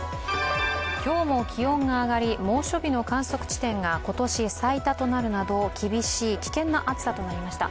今日も気温が上がり、猛暑日の観測地点が今年最多となるなど危険な暑さとなりました。